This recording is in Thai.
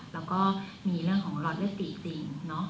แล้วก็มีเรื่องของหลอดเลือดปีกติ่ง